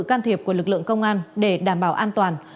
can thiệp của lực lượng công an để đảm bảo an toàn